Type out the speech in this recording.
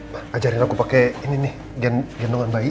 pak ajarin aku pakai ini nih gendongan bayi